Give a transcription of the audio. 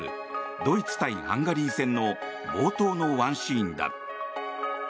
ドイツ対ハンガリー戦の冒頭のワンシーンだ。